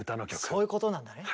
そういうことなんだね。